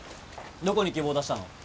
どこに希望出したの？